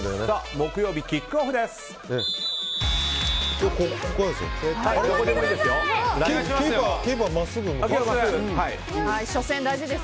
木曜日、キックオフです！